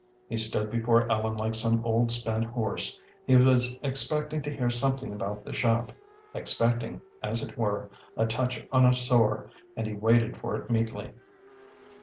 He stood before Ellen like some old, spent horse. He was expecting to hear something about the shop expecting, as it were, a touch on a sore, and he waited for it meekly.